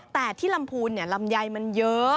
แต่ที่ลำพูนลำไยมันเยอะ